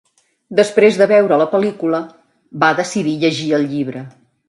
Després de veure la pel·lícula va decidir llegir el llibre.